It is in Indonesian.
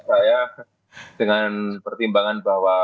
saya dengan pertimbangan bahwa